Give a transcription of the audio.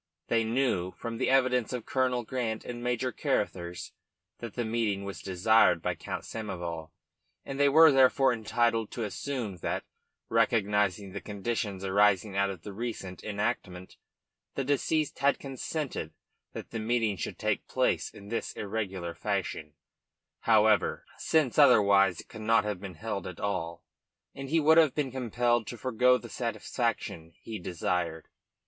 They knew, from the evidence of Colonel Grant and Major Carruthers, that the meeting was desired by Count Samoval, and they were therefore entitled to assume that, recognising the conditions arising out of the recent enactment, the deceased had consented that the meeting should take place in this irregular fashion, since otherwise it could not have been held at all, and he would have been compelled to forgo the satisfaction he desired.